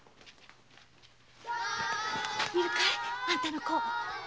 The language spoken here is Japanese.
いるかいあんたの子？